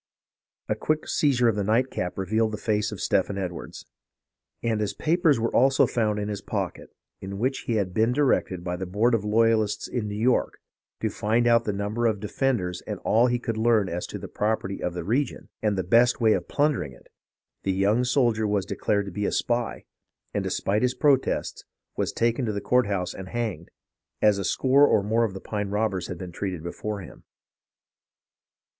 A quick seizure of the nightcap revealed the face of Stephen Edwards, and as papers were also found in his pocket in which he had been directed by the Board of Loyalists in New York to find out the number of de fenders and all he could learn as to the property of the region, and the best way of plundering it, the young sol dier was declared to be a spy, and, despite his protests, was taken to the courthouse and hanged, as a score or more of the pine robbers had been treated before him.